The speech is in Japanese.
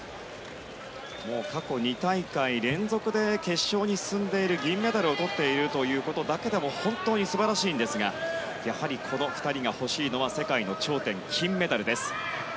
もう過去２大会連続で決勝に進んでいる、銀メダルをとっているということだけでも本当に素晴らしいんですがやはりこの２人が欲しいのは世界の頂点、金メダルです。